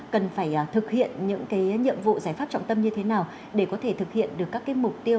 cần phải thực hiện những nhiệm vụ giải pháp trọng tâm như thế nào để có thể thực hiện được các mục tiêu